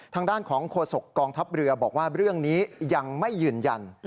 ทางด้านของโฆษกองทัพเรือบอกว่าเรื่องนี้ยังไม่ยืนยัน